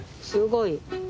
すごい。